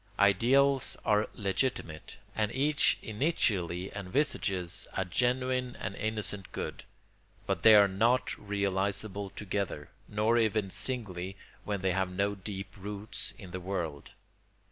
Ideals are legitimate, and each initially envisages a genuine and innocent good; but they are not realisable together, nor even singly when they have no deep roots in the world.